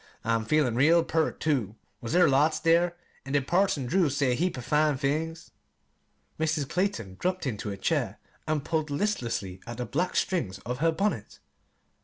"I'm feelin' real pert, too. Was there lots there? An' did Parson Drew say a heap o' fine things?" Mrs. Clayton dropped into a chair and pulled listlessly at the black strings of her bonnet.